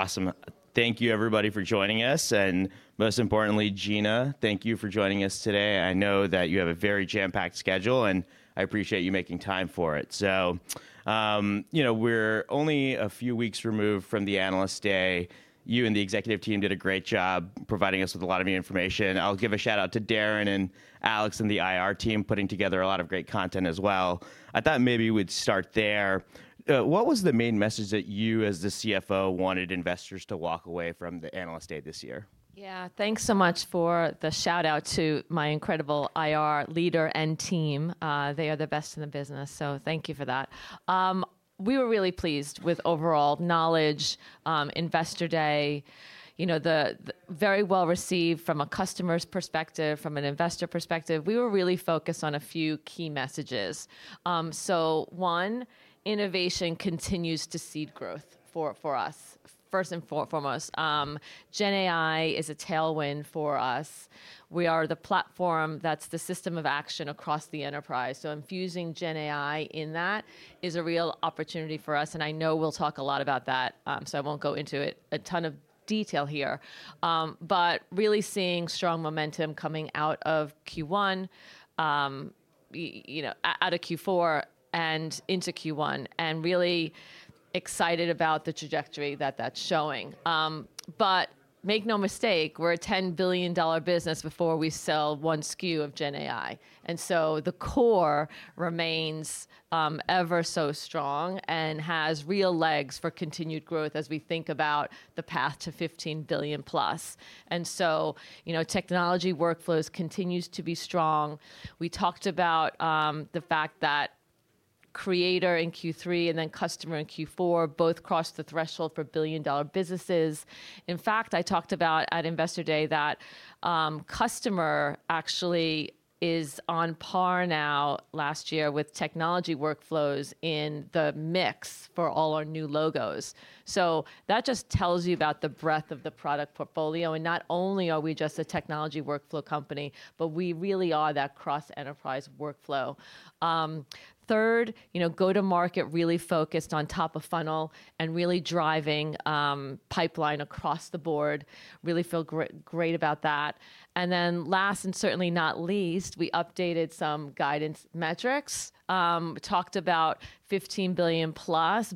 Awesome. Thank you everybody for joining us, and most importantly, Gina, thank you for joining us today. I know that you have a very jam-packed schedule, and I appreciate you making time for it. So, you know, we're only a few weeks removed from the Analyst Day. You and the executive team did a great job providing us with a lot of new information. I'll give a shout-out to Darren and Alex and the IR team, putting together a lot of great content as well. I thought maybe we'd start there. What was the main message that you, as the CFO, wanted investors to walk away from the Analyst Day this year? Yeah, thanks so much for the shout-out to my incredible IR leader and team. They are the best in the business, so thank you for that. We were really pleased with overall knowledge, Investor Day. You know, it was very well-received from a customer's perspective, from an investor perspective. We were really focused on a few key messages. So one, innovation continues to seed growth for us, first and foremost. GenAI is a tailwind for us. We are the platform that's the system of action across the enterprise, so infusing GenAI in that is a real opportunity for us, and I know we'll talk a lot about that, so I won't go into it, a ton of detail here. But really seeing strong momentum coming out of Q1, you know, out of Q4 and into Q1, and really excited about the trajectory that that's showing. But make no mistake, we're a $10 billion business before we sell one SKU of GenAI, and so the core remains ever so strong and has real legs for continued growth as we think about the path to $15 billion plus. So, you know, Technology Workflows continues to be strong. We talked about the fact that Creator in Q3 and then Customer in Q4 both crossed the threshold for billion-dollar businesses. In fact, I talked about, at Investor Day, that Customer actually is on par now last year with Technology Workflows in the mix for all our new logos. So that just tells you about the breadth of the product portfolio, and not only are we just a technology workflow company, but we really are that cross-enterprise workflow. Third, you know, go-to-market really focused on top-of-funnel and really driving pipeline across the board. Really feel great about that. And then last, and certainly not least, we updated some guidance metrics. Talked about $15 billion+,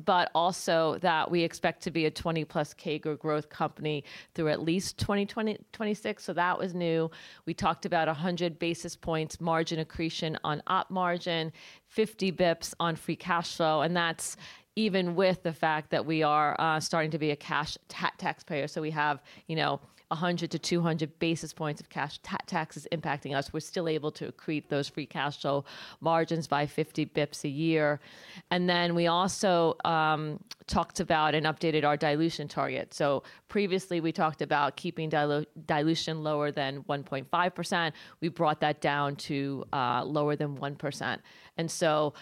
but also that we expect to be a 20%+ CAGR growth company through at least 2026, so that was new. We talked about 100 basis points margin accretion on op margin, 50 basis points on free cash flow, and that's even with the fact that we are starting to be a cash taxpayer. So we have, you know, 100-200 basis points of cash taxes impacting us. We're still able to accrete those free cash flow margins by 50 basis points a year. Then we also talked about and updated our dilution target. So previously, we talked about keeping dilution lower than 1.5%. We brought that down to lower than 1%. So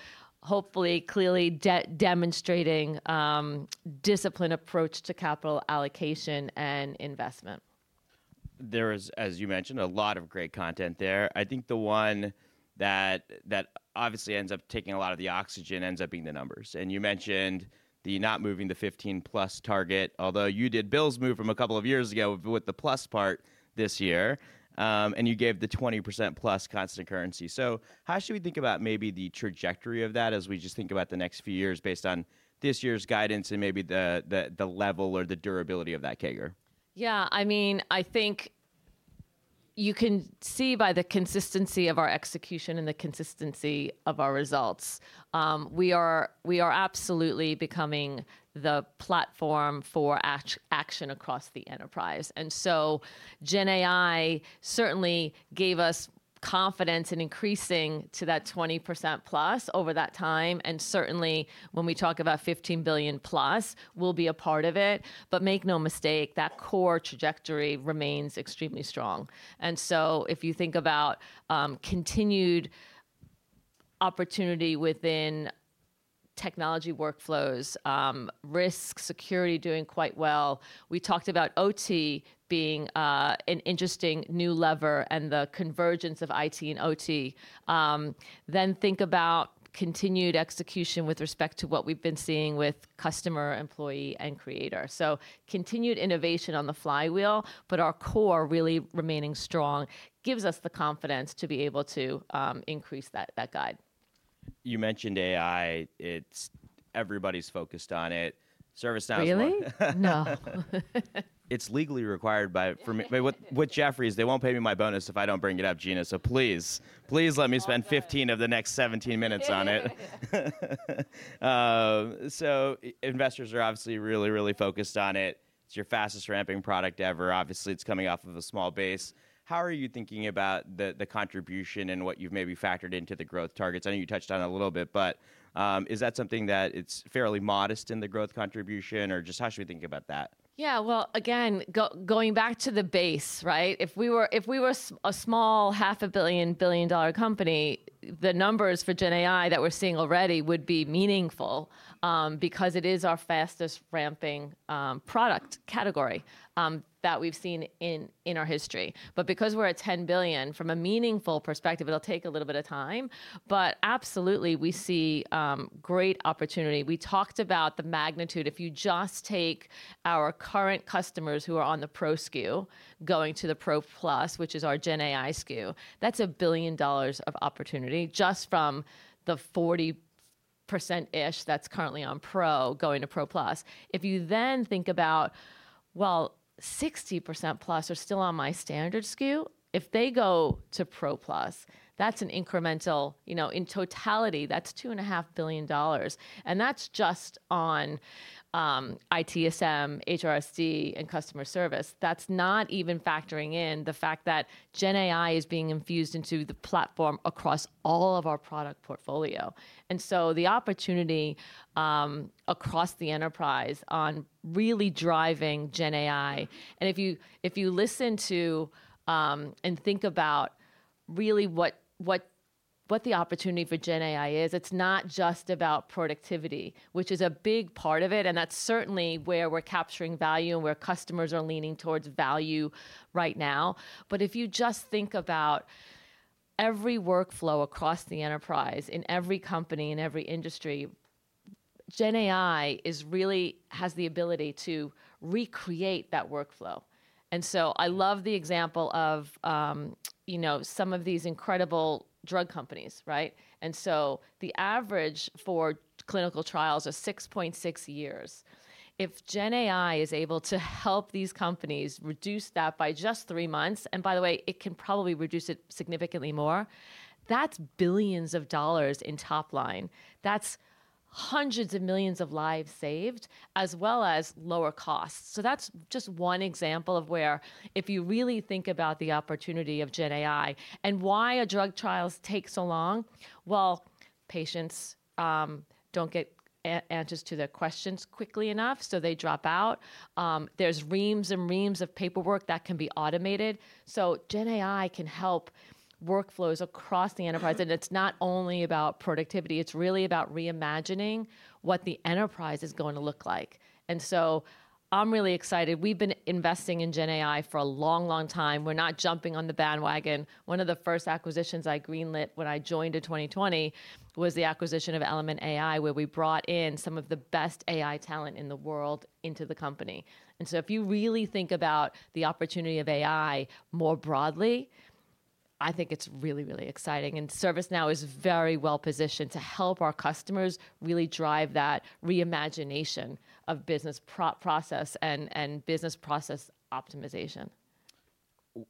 hopefully, clearly demonstrating a disciplined approach to capital allocation and investment. There is, as you mentioned, a lot of great content there. I think the one that, that obviously ends up taking a lot of the oxygen ends up being the numbers. You mentioned the not moving the 15+ target, although you did Bill's move from a couple of years ago with the plus part this year, and you gave the 20%+ constant currency. How should we think about maybe the trajectory of that as we just think about the next few years based on this year's guidance and maybe the level or the durability of that CAGR? Yeah, I mean, I think you can see by the consistency of our execution and the consistency of our results, we are, we are absolutely becoming the platform for action across the enterprise. And so GenAI certainly gave us confidence in increasing to that 20%+ over that time, and certainly when we talk about $15 billion+, we'll be a part of it. But make no mistake, that core trajectory remains extremely strong. And so if you think about continued opportunity within Technology Workflows, Risk, Security doing quite well. We talked about OT being an interesting new lever and the convergence of IT and OT. Then think about continued execution with respect to what we've been seeing with Customer, Employee, and Creator. Continued innovation on the flywheel, but our core really remaining strong, gives us the confidence to be able to, increase that, that guide. You mentioned AI. It's everybody's focused on it. ServiceNow... Really? No. It's legally required by, for me. With Jefferies, they won't pay me my bonus if I don't bring it up, Gina. So please, please let me spend 15 of the next 17 minutes on it. So investors are obviously really, really focused on it. It's your fastest ramping product ever. Obviously, it's coming off of a small base. How are you thinking about the contribution and what you've maybe factored into the growth targets? I know you touched on it a little bit, but is that something that it's fairly modest in the growth contribution, or just how should we think about that? Yeah, well, again, going back to the base, right? If we were a small $500 million-$1 billion company, the numbers for GenAI that we're seeing already would be meaningful, because it is our fastest ramping product category that we've seen in our history. But because we're at $10 billion, from a meaningful perspective, it'll take a little bit of time, but absolutely, we see great opportunity. We talked about the magnitude. If you just take our current customers who are on the Pro SKU going to the Pro Plus, which is our GenAI SKU, that's $1 billion of opportunity just from the 45%-ish that's currently on Pro going to Pro Plus. If you then think about, well, 60% plus are still on my Standard SKU, if they go to Pro Plus, that's an incremental, you know, in totality, that's $2.5 billion, and that's just on, ITSM, HRSD, and customer service. That's not even factoring in the fact that GenAI is being infused into the platform across all of our product portfolio. And so the opportunity, across the enterprise on really driving GenAI, and if you, if you listen to, and think about really what, what, what the opportunity for GenAI is, it's not just about productivity, which is a big part of it, and that's certainly where we're capturing value and where customers are leaning towards value right now. But if you just think about every workflow across the enterprise, in every company, in every industry, GenAI really has the ability to recreate that workflow. And so I love the example of, you know, some of these incredible drug companies, right? And so the average for clinical trials is 6.6 years. If GenAI is able to help these companies reduce that by just three months, and by the way, it can probably reduce it significantly more, that's billions of dollars in top line. That's hundreds of millions of lives saved, as well as lower costs. So that's just one example of where if you really think about the opportunity of GenAI and why drug trials take so long, well, patients don't get answers to their questions quickly enough, so they drop out. There's reams and reams of paperwork that can be automated. So GenAI can help workflows across the enterprise, and it's not only about productivity, it's really about reimagining what the enterprise is going to look like. And so I'm really excited. We've been investing in GenAI for a long, long time. We're not jumping on the bandwagon. One of the first acquisitions I greenlit when I joined in 2020 was the acquisition of Element AI, where we brought in some of the best AI talent in the world into the company. And so if you really think about the opportunity of AI more broadly, I think it's really, really exciting, and ServiceNow is very well positioned to help our customers really drive that reimagination of business process and business process optimization.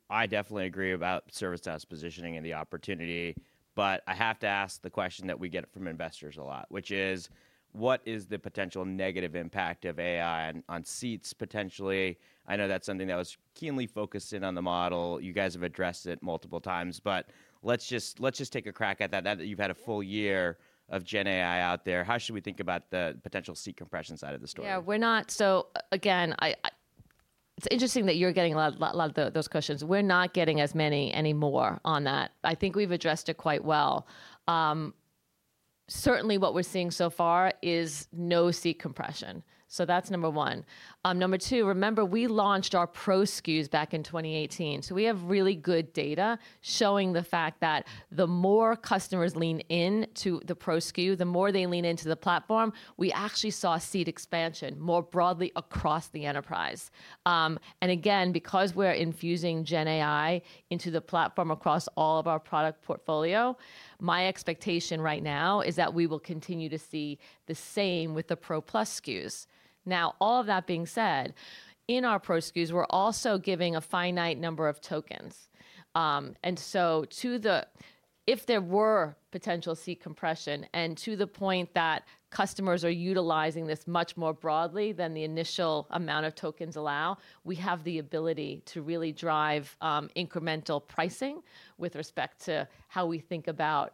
I definitely agree about ServiceNow's positioning and the opportunity, but I have to ask the question that we get from investors a lot, which is: What is the potential negative impact of AI on seats, potentially? I know that's something that was keenly focused in on the model. You guys have addressed it multiple times, but let's just take a crack at that, now that you've had a full year of GenAI out there. How should we think about the potential seat compression side of the story? Yeah, we're not. So again, it's interesting that you're getting a lot of those questions. We're not getting as many anymore on that. I think we've addressed it quite well. Certainly, what we're seeing so far is no seat compression. So that's number one. Number two, remember, we launched our Pro SKUs back in 2018, so we have really good data showing the fact that the more customers lean into the Pro SKU, the more they lean into the platform, we actually saw seat expansion more broadly across the enterprise. And again, because we're infusing GenAI into the platform across all of our product portfolio, my expectation right now is that we will continue to see the same with the Pro Plus SKUs. Now, all of that being said, in our Pro SKUs, we're also giving a finite number of tokens. And so, if there were potential seat compression, and to the point that customers are utilizing this much more broadly than the initial amount of tokens allow, we have the ability to really drive incremental pricing with respect to how we think about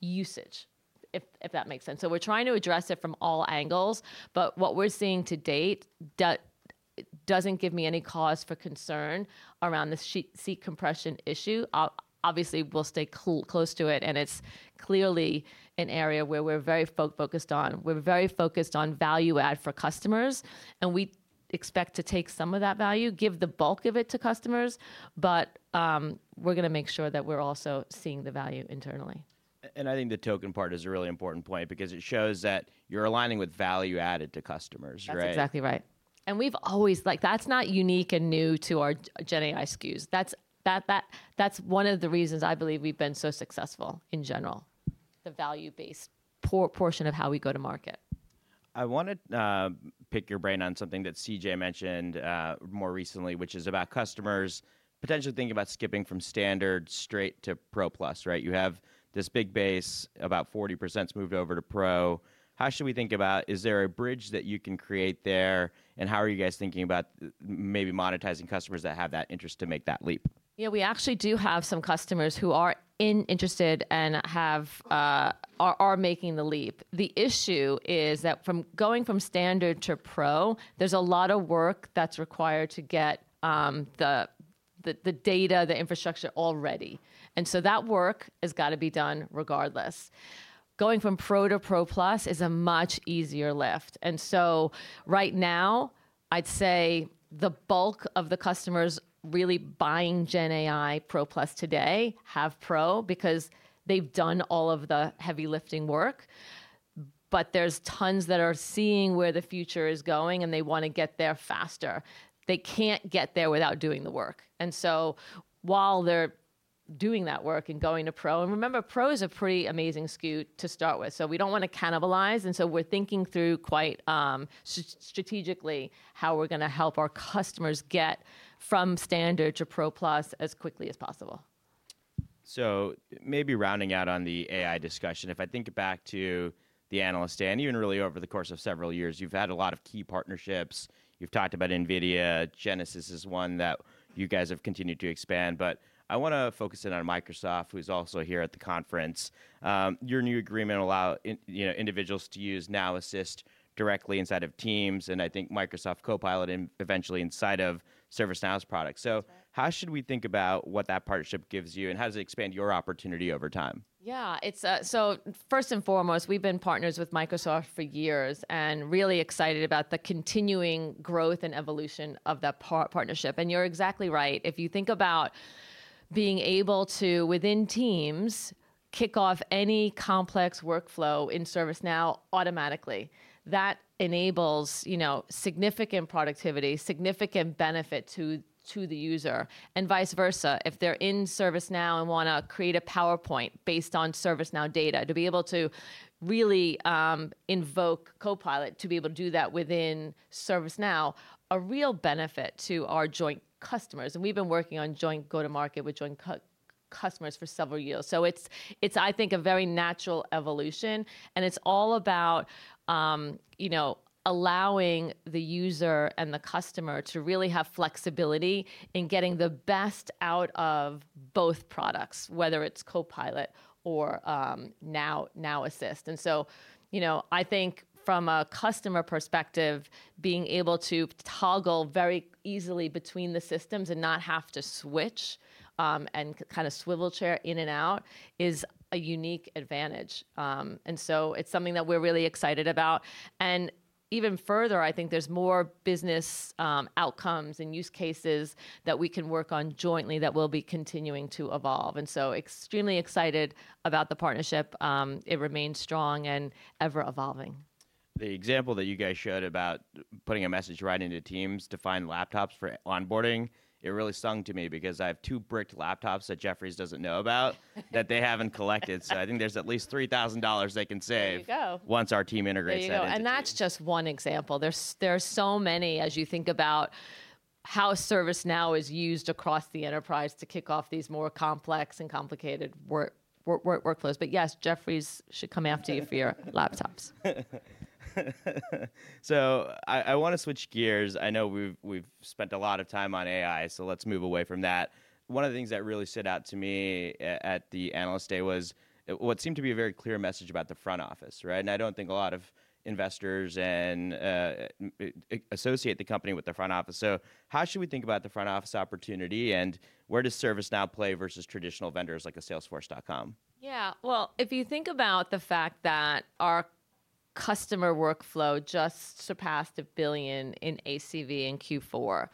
usage, if that makes sense. So we're trying to address it from all angles, but what we're seeing to date doesn't give me any cause for concern around the seat compression issue. Obviously, we'll stay close to it, and it's clearly an area where we're very focused on. We're very focused on value add for customers, and we expect to take some of that value, give the bulk of it to customers, but we're gonna make sure that we're also seeing the value internally. I think the token part is a really important point because it shows that you're aligning with value added to customers, right? That's exactly right. And we've always, like, that's not unique and new to our GenAI SKUs. That's one of the reasons I believe we've been so successful in general, the value-based portion of how we go to market. I wanna pick your brain on something that CJ mentioned more recently, which is about customers potentially thinking about skipping from Standard straight to Pro Plus, right? You have this big base, about 40%'s moved over to Pro. How should we think about is there a bridge that you can create there, and how are you guys thinking about maybe monetizing customers that have that interest to make that leap? Yeah, we actually do have some customers who are interested and are making the leap. The issue is that from going from Standard to Pro, there's a lot of work that's required to get the data, the infrastructure all ready, and so that work has got to be done regardless. Going from Pro to Pro Plus is a much easier lift, and so right now, I'd say the bulk of the customers really buying GenAI Pro Plus today have Pro, because they've done all of the heavy lifting work, but there's tons that are seeing where the future is going, and they want to get there faster. They can't get there without doing the work. And so while they're doing that work and going to Pro. And remember, Pro is a pretty amazing SKU to start with, so we don't wanna cannibalize, and so we're thinking through quite strategically, how we're gonna help our customers get from Standard to Pro Plus as quickly as possible. So maybe rounding out on the AI discussion, if I think back to the Analyst Day, and even really over the course of several years, you've had a lot of key partnerships. You've talked about NVIDIA, Genesys is one that you guys have continued to expand, but I wanna focus in on Microsoft, who's also here at the conference. Your new agreement will allow in- you know, individuals to use Now Assist directly inside of Teams, and I think Microsoft Copilot, and eventually inside of ServiceNow's product. That's right. So how should we think about what that partnership gives you, and how does it expand your opportunity over time? Yeah. It's so first and foremost, we've been partners with Microsoft for years, and really excited about the continuing growth and evolution of that partnership. And you're exactly right. If you think about being able to, within Teams, kick off any complex workflow in ServiceNow automatically, that enables, you know, significant productivity, significant benefit to the user, and vice versa. If they're in ServiceNow and wanna create a PowerPoint based on ServiceNow data, to be able to really invoke Copilot to be able to do that within ServiceNow, a real benefit to our joint customers, and we've been working on joint go-to-market with joint customers for several years. So it's, I think, a very natural evolution, and it's all about, you know, allowing the user and the customer to really have flexibility in getting the best out of both products, whether it's Copilot or Now Assist. And so, you know, I think from a customer perspective, being able to toggle very easily between the systems and not have to switch and kind of swivel chair in and out, is a unique advantage. And so it's something that we're really excited about. And even further, I think there's more business outcomes and use cases that we can work on jointly that will be continuing to evolve, and so extremely excited about the partnership. It remains strong and ever-evolving. The example that you guys showed about putting a message right into Teams to find laptops for onboarding, it really sang to me because I have 2 bricked laptops that Jefferies doesn't know about that they haven't collected, so I think there's at least $3,000 they can save. There you go. Once our team integrates that into Teams. There you go. That's just one example. There are so many, as you think about how ServiceNow is used across the enterprise to kick off these more complex and complicated workflows. But yes, Jefferies should come after you for your laptops. So I wanna switch gears. I know we've spent a lot of time on AI, so let's move away from that. One of the things that really stood out to me at the Analyst Day was what seemed to be a very clear message about the front office, right? And I don't think a lot of investors associate the company with the front office. So how should we think about the front office opportunity, and where does ServiceNow play versus traditional vendors like a Salesforce.com? Yeah. Well, if you think about the fact that our Customer Workflows just surpassed $1 billion in ACV in Q4,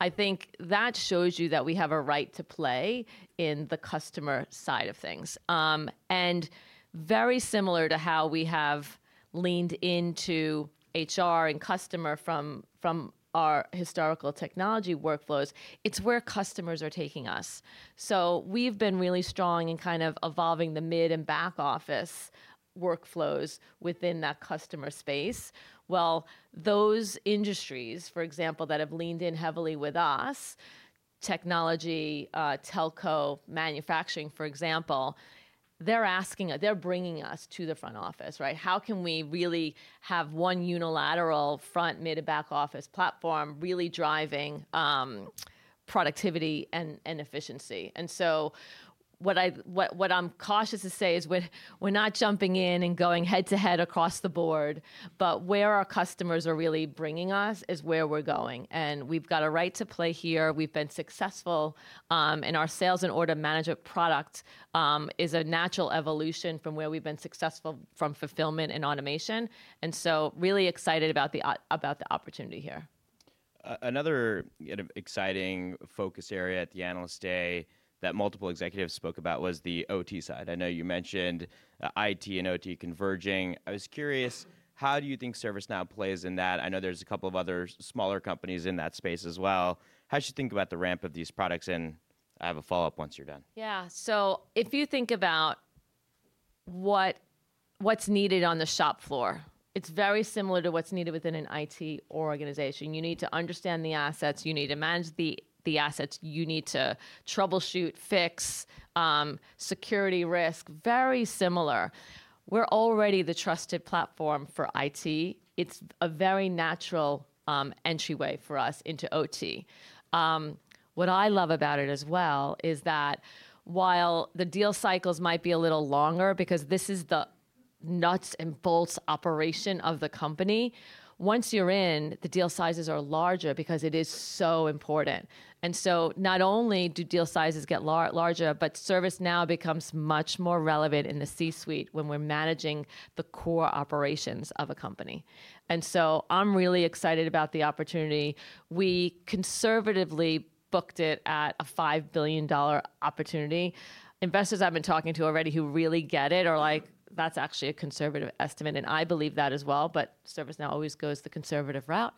I think that shows you that we have a right to play in the customer side of things. And very similar to how we have leaned into HR and customer from, from our historical Technology Workflows, it's where customers are taking us. So we've been really strong in kind of evolving the mid and back office workflows within that customer space, while those industries, for example, that have leaned in heavily with us, technology, telco, manufacturing, for example, they're asking us, they're bringing us to the front office, right? How can we really have one unilateral front, mid, and back office platform really driving productivity and efficiency? What I'm cautious to say is we're not jumping in and going head-to-head across the board, but where our customers are really bringing us is where we're going, and we've got a right to play here. We've been successful, and our Sales and Order Management product is a natural evolution from where we've been successful from fulfillment and automation, and so really excited about the opportunity here. Another, you know, exciting focus area at the Analyst Day that multiple executives spoke about was the OT side. I know you mentioned IT and OT converging. I was curious, how do you think ServiceNow plays in that? I know there's a couple of other smaller companies in that space as well. How should you think about the ramp of these products? And I have a follow-up once you're done. Yeah. So if you think about what's needed on the shop floor, it's very similar to what's needed within an IT organization. You need to understand the assets, you need to manage the assets, you need to troubleshoot, fix, security risk, very similar. We're already the trusted platform for IT. It's a very natural entryway for us into OT. What I love about it as well is that, while the deal cycles might be a little longer, because this is the nuts and bolts operation of the company, once you're in, the deal sizes are larger because it is so important. And so not only do deal sizes get larger, but ServiceNow becomes much more relevant in the C-suite when we're managing the core operations of a company. And so I'm really excited about the opportunity. We conservatively booked it at a $5 billion opportunity. Investors I've been talking to already who really get it are like, "That's actually a conservative estimate," and I believe that as well, but ServiceNow always goes the conservative route.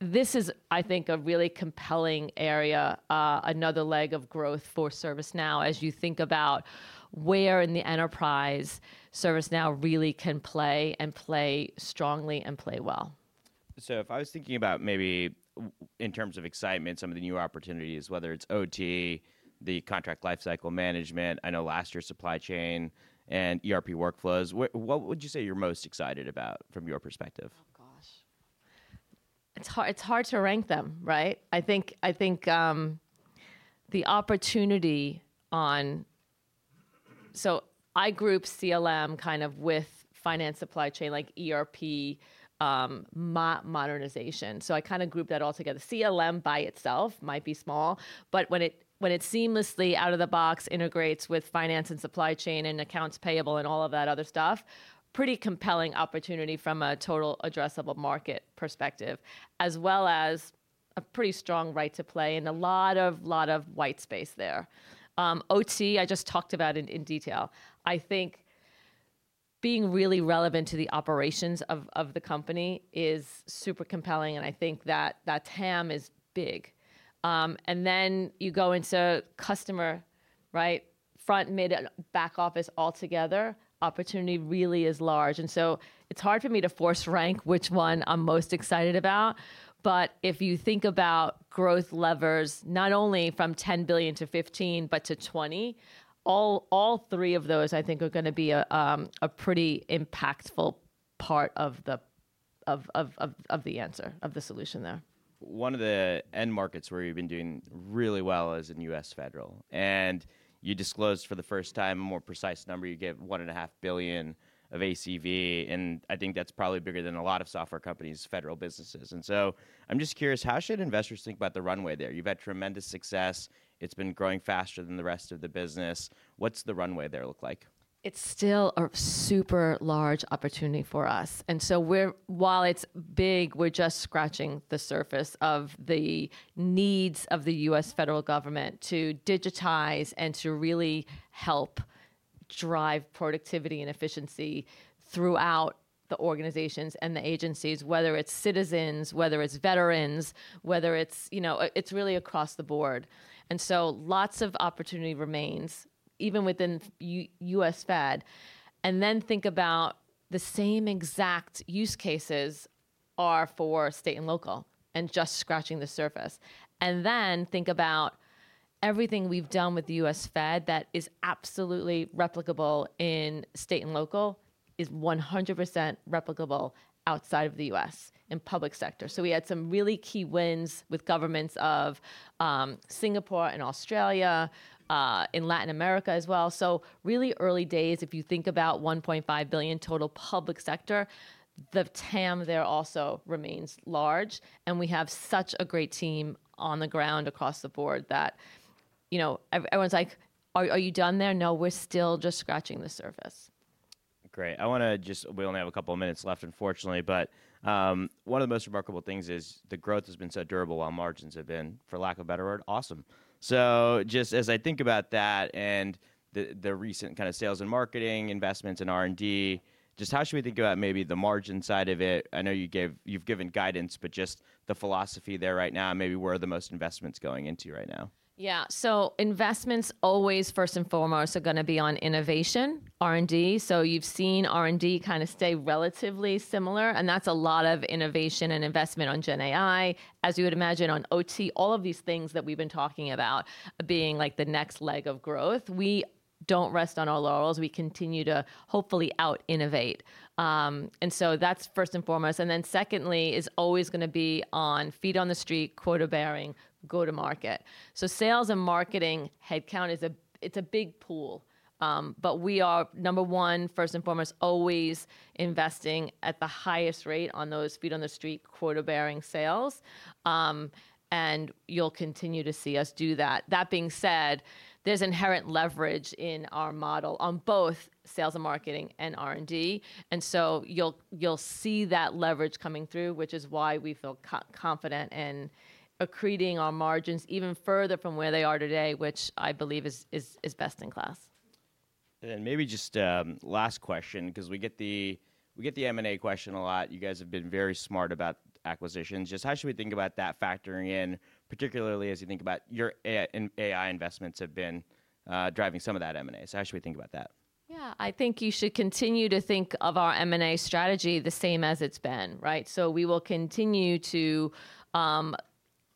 This is, I think, a really compelling area, another leg of growth for ServiceNow as you think about where in the enterprise ServiceNow really can play, and play strongly and play well. So if I was thinking about maybe in terms of excitement, some of the new opportunities, whether it's OT, the Contract Lifecycle Management, I know last year's supply chain, and ERP workflows, what would you say you're most excited about from your perspective? Oh, gosh! It's hard, it's hard to rank them, right? I think, I think, the opportunity on— So I group CLM kind of with Finance Supply Chain, like ERP, modernization. So I kind of group that all together. CLM by itself might be small, but when it seamlessly out of the box integrates with finance and supply chain and accounts payable and all of that other stuff, pretty compelling opportunity from a total addressable market perspective, as well as a pretty strong right to play and a lot of white space there. OT, I just talked about in detail. I think being really relevant to the operations of the company is super compelling, and I think that TAM is big. And then you go into customer, right, front, mid, and back office all together, opportunity really is large. So it's hard for me to force rank which one I'm most excited about, but if you think about growth levers, not only from $10 billion to $15 billion, but to $20 billion, all three of those, I think, are gonna be a pretty impactful part of the answer, of the solution there. One of the end markets where you've been doing really well is in U.S. Federal, and you disclosed for the first time a more precise number. You gave $1.5 billion of ACV, and I think that's probably bigger than a lot of software companies' federal businesses. And so I'm just curious, how should investors think about the runway there? You've had tremendous success. It's been growing faster than the rest of the business. What's the runway there look like? It's still a super large opportunity for us, and so we're, while it's big, we're just scratching the surface of the needs of the U.S. Federal Government to digitize and to really help drive productivity and efficiency throughout the organizations and the agencies, whether it's citizens, whether it's veterans, whether it's, you know... It's really across the board. And so lots of opportunity remains, even within U.S. Fed. And then think about the same exact use cases are for State and Local, and just scratching the surface. And then think about everything we've done with the U.S. Fed that is absolutely replicable in State and Local, is 100% replicable outside of the U.S. in public sector. So we had some really key wins with governments of Singapore and Australia and Latin America as well. So really early days, if you think about $1.5 billion total public sector, the TAM there also remains large, and we have such a great team on the ground across the board that, you know, everyone's like: "Are you done there?" No, we're still just scratching the surface. Great. I wanna just, we only have a couple of minutes left, unfortunately, but one of the most remarkable things is the growth has been so durable while margins have been, for lack of a better word, awesome. So just as I think about that and the recent kind of sales and marketing investments in R&D, just how should we think about maybe the margin side of it? I know you gave—you've given guidance, but just the philosophy there right now and maybe where are the most investments going into right now? Yeah. So investments always, first and foremost, are gonna be on innovation, R&D. So you've seen R&D kind of stay relatively similar, and that's a lot of innovation and investment on GenAI, as you would imagine, on OT, all of these things that we've been talking about being, like, the next leg of growth. We don't rest on our laurels. We continue to hopefully out-innovate. And so that's first and foremost, and then secondly is always gonna be on feet on the street, quota-bearing, go-to-market. So sales and marketing headcount is a, it's a big pool, but we are, number one, first and foremost, always investing at the highest rate on those feet on the street, quota-bearing sales. And you'll continue to see us do that. That being said, there's inherent leverage in our model on both sales and marketing and R&D, and so you'll see that leverage coming through, which is why we feel confident in accreting our margins even further from where they are today, which I believe is best in class. And then maybe just last question, 'cause we get the, we get the M&A question a lot. You guys have been very smart about acquisitions. Just how should we think about that factoring in, particularly as you think about your AI, AI investments have been driving some of that M&A? So how should we think about that? Yeah. I think you should continue to think of our M&A strategy the same as it's been, right? So we will continue to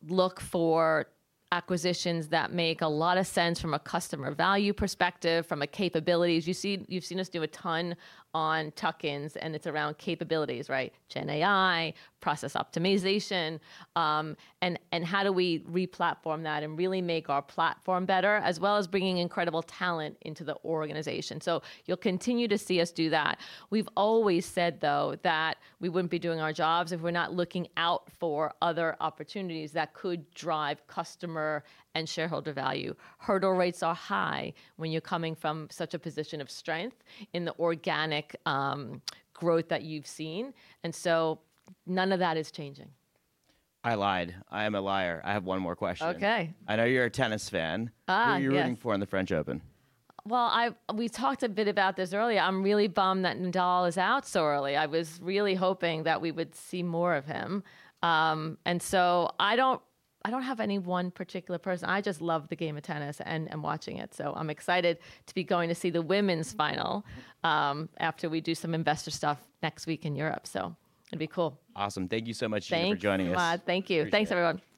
look for acquisitions that make a lot of sense from a customer value perspective, from a capabilities... You've seen us do a ton on tuck-ins, and it's around capabilities, right? GenAI, process optimization, and how do we re-platform that and really make our platform better, as well as bringing incredible talent into the organization. So you'll continue to see us do that. We've always said, though, that we wouldn't be doing our jobs if we're not looking out for other opportunities that could drive customer and shareholder value. Hurdle rates are high when you're coming from such a position of strength in the organic growth that you've seen, and so none of that is changing. I lied. I am a liar. I have one more question. Okay. I know you're a tennis fan. Ah, yes. Who are you rooting for in the French Open? Well, we talked a bit about this earlier. I'm really bummed that Nadal is out so early. I was really hoping that we would see more of him. And so I don't have any one particular person. I just love the game of tennis and watching it, so I'm excited to be going to see the women's final after we do some investor stuff next week in Europe. So it'll be cool. Awesome. Thank you so much, Gina for joining us. Thank you. Appreciate it. Thanks, everyone.